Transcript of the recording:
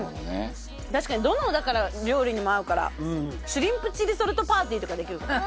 確かにどの料理にも合うからシュリンプチリソルトパーティーとかできるかも。